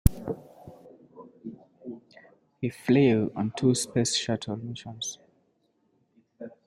He flew on two Space Shuttle missions.